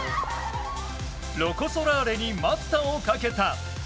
ロコ・ソラーレに待ったをかけた。